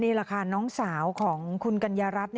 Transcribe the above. นี่แหละค่ะน้องสาวของคุณกัญญารัฐ